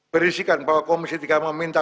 berisikan bahwa komisi tiga meminta